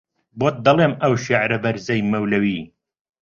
بۆت دەڵێم ئەو شێعرە بەرزەی مەولەوی